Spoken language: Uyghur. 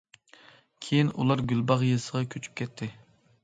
كېيىن ئۇلار گۈلباغ يېزىسىغا كۆچۈپ كەتتى.